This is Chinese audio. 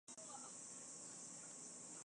图尔武是巴西圣卡塔琳娜州的一个市镇。